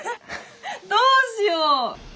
どうしよう。